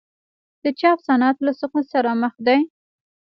د چاپ صنعت له سقوط سره مخ دی؟